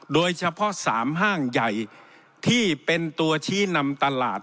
โดยเฉพาะ๓ห้างใหญ่ที่เป็นตัวชี้นำตลาด